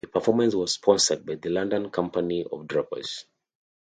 The performance was sponsored by the London Company of Drapers.